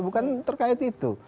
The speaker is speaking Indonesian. bukan terkait itu